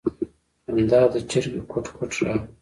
خندا د چرگې کوټ کوټ راغله.